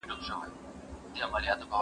د زور په واسطه راوړل سوی ايمان نه منل کيږي.